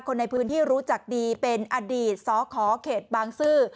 คนในพื้นที่รู้จักดีเป็นอดีตสขเขตบางซื่อ